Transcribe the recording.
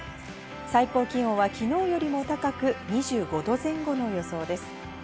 最高気温はきのうよりも高く、２５度前後の予想です。